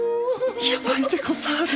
ヤバいでござる。